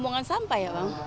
pembuangan sampah ya bang